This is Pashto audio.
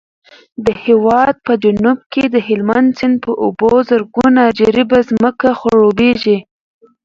د هېواد په جنوب کې د هلمند سیند په اوبو زرګونه جریبه ځمکه خړوبېږي.